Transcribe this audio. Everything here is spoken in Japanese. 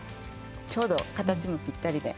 ちょうど形もぴったりで。